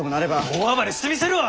大暴れしてみせるわ！